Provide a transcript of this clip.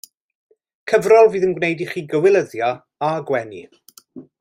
Cyfrol fydd yn gwneud i chi gywilyddio a gwenu!